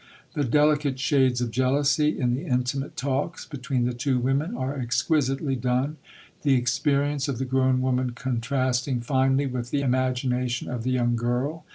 The delicate shades of jealousy in the intimate talks between the two women are exquisitely done; the experience of the grown woman contrasting finely with the imagination of the young girl.